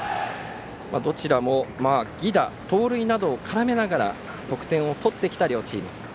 どちらも、犠打盗塁などを絡めながら得点を取ってきた両チーム。